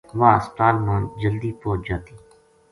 واہ ہسپتال ما جلدی پوہچ جاتی